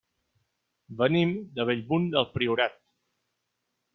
Venim de Bellmunt del Priorat.